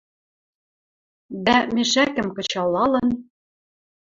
Дӓ, мешӓкӹм кычалалын